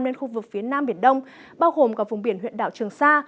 nên khu vực phía nam biển đông bao gồm cả vùng biển huyện đảo trường sa